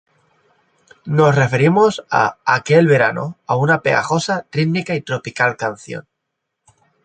Nos referimos a: "Aquel Verano", una pegajosa, rítmica y tropical canción.